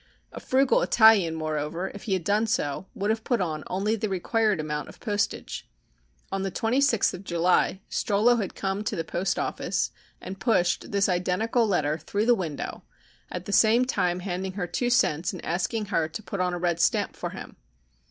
A frugal Italian, moreover, if he had done so, would have put on only the required amount of postage. On the 26th of July, Strollo had come to the post office and pushed this identical letter through the window, at the same time handing her two cents and asking her to put on a red stamp for him.